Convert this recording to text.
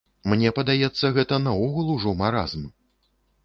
Мне падаецца, гэта наогул ужо маразм.